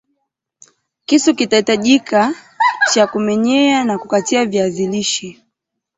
Kisu kitahitajika cha kumenyea na kukatia viazi lishe